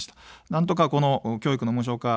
なんとかこの教育の無償化。